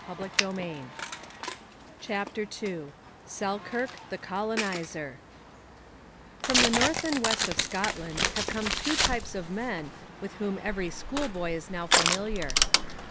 CHAPTER II SELKIRK, THE COLONIZER From the north and west of Scotland have come two types of men with whom every schoolboy is now familiar.